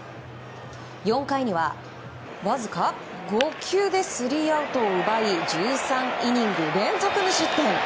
４回には、わずか５球でスリーアウトを奪い１３イニング連続無失点。